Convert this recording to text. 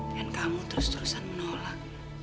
dan kamu terus terusan menolak